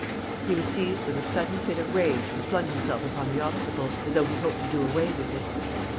..." He was seized with a sudden fit of rage and flung himself upon the obstacle, as though he hoped to do away with it.